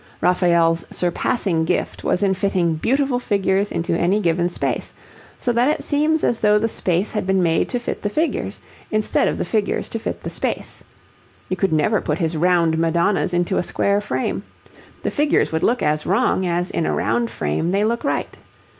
Raphael's surpassing gift was in fitting beautiful figures into any given space, so that it seems as though the space had been made to fit the figures, instead of the figures to fit the space. You could never put his round Madonnas into a square frame. The figures would look as wrong as in a round frame they look right.